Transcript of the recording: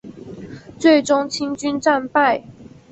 最终清军战败。